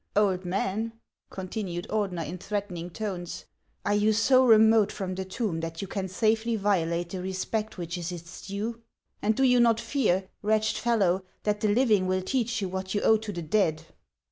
"Old man," continued Ordener, in threatening tones, "are you so remote from the toinb that you can safely violate the respect which is its due ? And do you not fear, wretched fellow, that the living will teach you what you owe to the dead